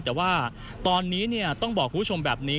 แต่ว่าตอนนี้ต้องบอกคุณผู้ชมแบบนี้